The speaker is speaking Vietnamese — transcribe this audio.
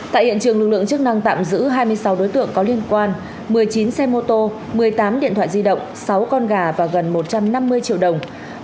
tại hiện trường lực lượng chức năng tạm giữ hai mươi sáu đối tượng có liên quan một mươi chín xe mô tô một mươi tám điện thoại di động sáu con gà và gần một con gà